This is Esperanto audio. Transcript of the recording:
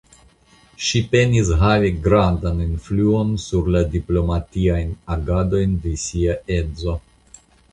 Ŝi penis havi grandan influon sur la diplomatiajn agadojn de sia edzo.